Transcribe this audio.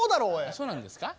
そうなんですか？